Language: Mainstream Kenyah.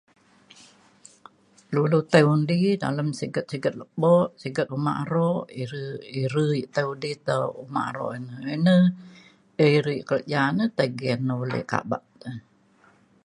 Dulu tai undi dalem siget siget lebo siget uma aro i're i're yak tai undi tau uma aro ina iner iri kerja na tai gen ulik ka' abak teh